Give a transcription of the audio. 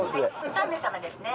３名様ですね。